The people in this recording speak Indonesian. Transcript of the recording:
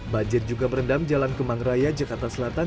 banjir juga merendam jalan kemang raya jakarta selatan